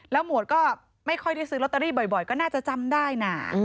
หมวดก็ไม่ค่อยได้ซื้อลอตเตอรี่บ่อยก็น่าจะจำได้นะ